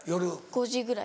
５時ぐらい。